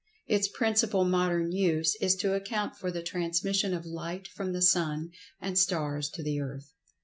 Its principal modern use is to account for the transmission of Light from the Sun and Stars to the Earth.